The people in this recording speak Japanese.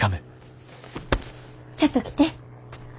ちょっと来て。